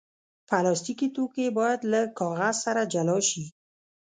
پلاستيکي توکي باید له کاغذ سره جلا شي.